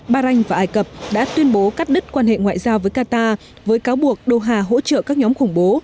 bà ranh và ai cập đã tuyên bố cắt đứt quan hệ ngoại giao với qatar với cáo buộc đô hà hỗ trợ các nhóm khủng bố